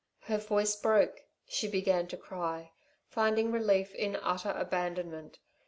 Her voice broke. She began to cry, finding relief in utter abandonment.